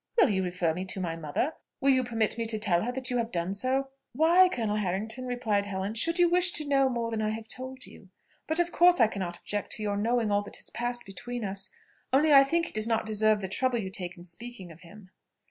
"Will you refer me to my mother? Will you permit me to tell her that you have done so?" "Why, Colonel Harrington," replied Helen, "should you wish to know more than I have told you? But of course I cannot object to your knowing all that has passed between us, only I think he does not deserve the trouble you take in speaking of him."